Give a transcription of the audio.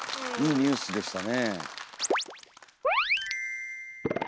いいニュースでしたね。